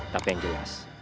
tapi yang jelas